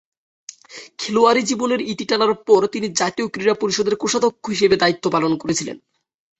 খেলোয়াড়ি জীবনের ইতি টানার পর, তিনি জাতীয় ক্রীড়া পরিষদের কোষাধ্যক্ষ হিসেবে দায়িত্ব পালন করেছিলেন।